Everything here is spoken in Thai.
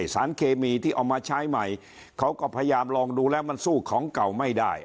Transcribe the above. สารเคมีที่เอามาใช้ใหม่เขาก็พยายามลองดูแล้วมันสู้ของเก่าไม่ได้